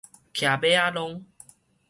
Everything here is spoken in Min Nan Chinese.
騎馬仔囊